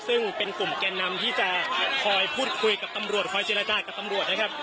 ซึ่งเป็นกลุ่มแก่นำที่จะคอยพูดคุยกับตำรวจคอยเจรจากับตำรวจนะครับ